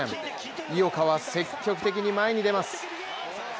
井岡は積極的に前に出ます。